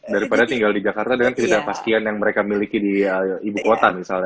daripada tinggal di jakarta dengan ketidakpastian yang mereka miliki di ibu kota misalnya